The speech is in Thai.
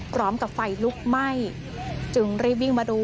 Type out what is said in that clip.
พร้อมกับไฟลุกไหม้จึงรีบวิ่งมาดู